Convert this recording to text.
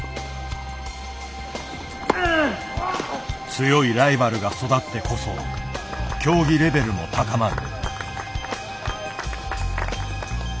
強いライバルが育ってこそ競技レベルも高まる。